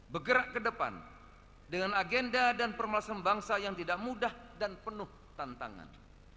bergerak ke depan dengan agenda dan permasalahan bangsa yang tidak mudah dan penuh tantangan